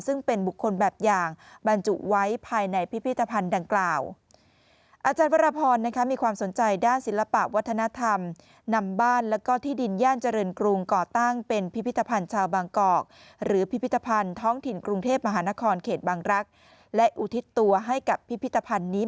ซึ่งเป็นบุคคลแบบอย่างบรรจุไว้ภายในพิพิธภัณฑ์ดังกล่าวอาจารย์วรพรนะครับมีความสนใจด้านศิลปะวัฒนธรรมนำบ้านแล้วก็ที่ดินย่านเจริญกรุงก่อตั้งเป็นพิพิธภัณฑ์ชาวบางกอกหรือพิพิธภัณฑ์ท้องถิ่นกรุงเทพมหานครเขตบางรักษ์และอุทิศตัวให้กับพิพิธภัณ